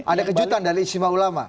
ada kejutan dari istimewa ulama